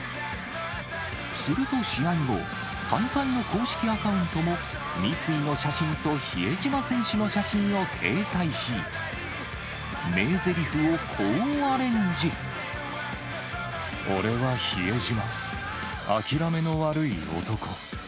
すると試合後、大会の公式アカウントも三井の写真と比江島選手の写真を掲載し、俺は比江島。